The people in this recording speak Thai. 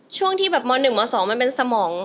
ช่วงที่แบบม๑ม๒มันเป็นสมอง